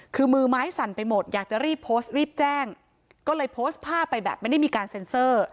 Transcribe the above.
คือมือไม้สั่นไปหมดอยากจะรีบโพสต์รีบแจ้งก็เลยโพสต์ภาพไปแบบไม่ได้มีการเซ็นเซอร์